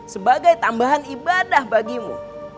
sebagai tambahan ibadah bagimu